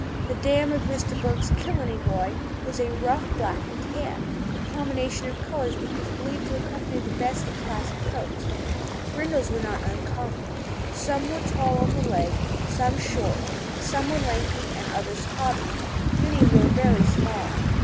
The dam of Mr. Burke's Killeney Boy was a rough black and tan, a combination of colours which was believed to accompany the best class of coats. Brindles were not uncommon. Some were tall on the leg, some short; some were lanky and others cobby; many were very small.